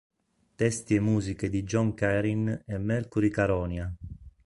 Testi e musiche di Jon Carin e Mercury Caronia.